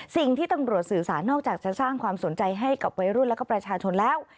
สิ่งที่ตำรวจสื่อสารนอกจากจะสร้างความสนใจให้กับวัยรุ่นและก็ประชาชนแล้ว